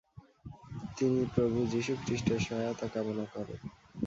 তিনি প্রভু যীশু খ্রীস্টের সহায়তা কামনা করেন।